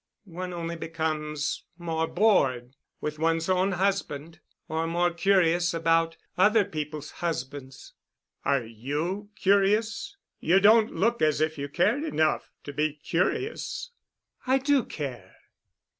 One only becomes more bored—with one's own husband—or more curious about other people's husbands." "Are you curious? You don't look as if you cared enough to be curious." "I do care."